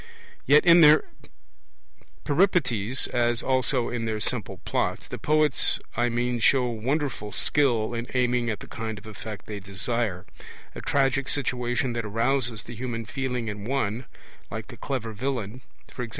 Yet in their Peripeties, as also in their simple plots, the poets I mean show wonderful skill in aiming at the kind of effect they desire a tragic situation that arouses the human feeling in one, like the clever villain (e.g.